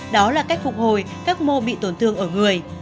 đó là cách phục hồi các mô bị tổn thương ở người